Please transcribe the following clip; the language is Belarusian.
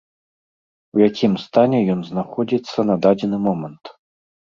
У якім стане ён знаходзіцца на дадзены момант?